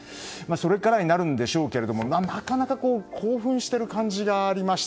それからになるんでしょうけどなかなか興奮してる感じがありまして。